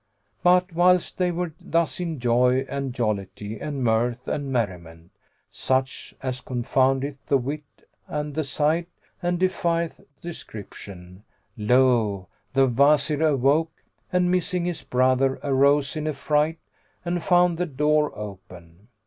But, whilst they were thus in joy and jollity and mirth and merriment, such as confoundeth the wit and the sight and defieth description, lo! the Wazir awoke and, missing his brother, arose in affright and found the door open.